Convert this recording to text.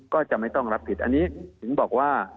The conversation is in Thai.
ก็จะไม่ต้องรับผิดอันนี้ถึงบอกว่า